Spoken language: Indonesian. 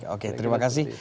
oke terima kasih